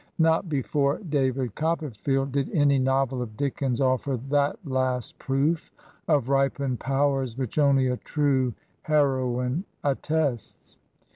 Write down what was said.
Not before "David Copperfield" did any novel of Dickens offer that last proof of ripened powers which only a true heroine attests.